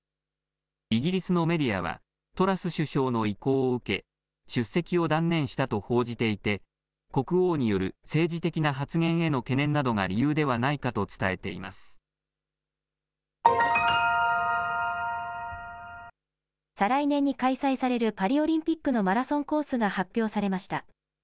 イギリスのメディアは、トラス首相の意向を受け、出席を断念したと報じていて、国王による政治的な発言への懸念などが理由ではないかと伝えてい再来年に開催されるパリオリンピックのマラソンコースが発表されました。